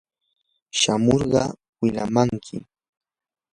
shamurqa wilamanki.